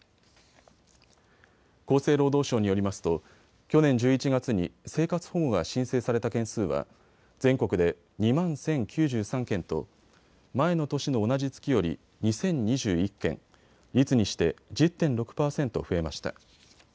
厚生労働省によりますと去年１１月に生活保護が申請された件数は全国で２万１０９３件と前の年の同じ月より２０２１件、率にして１０．６％増えました。